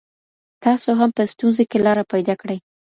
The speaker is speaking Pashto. تاسو هم په ستونزو کې لاره پیدا کړئ.